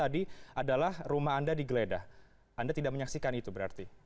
jadi adalah rumah anda digeledah anda tidak menyaksikan itu berarti